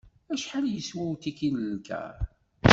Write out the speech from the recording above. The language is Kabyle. Acḥal yeswa utiki n lkar?